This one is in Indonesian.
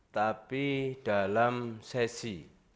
tapi dalam sesi